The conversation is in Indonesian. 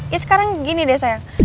ya sekarang gini deh saya